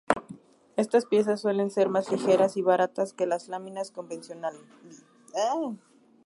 Estas piezas suelen ser más ligeras y baratas que las láminas convencionales.